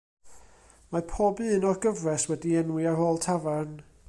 Mae pob un o'r gyfres wedi'i enwi ar ôl tafarn.